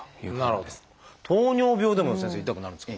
糖尿病でも先生痛くなるんですか？